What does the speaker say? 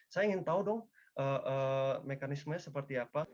saya ingin tahu dong mekanismenya seperti apa